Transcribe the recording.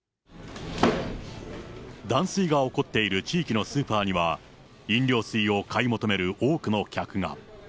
断水が起こっている地域のスーパーには、飲料水を買い求める多くの客が。